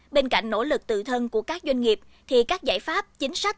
bên cạnh nỗ lực tự thân của các doanh nghiệp thì các giải pháp chính sách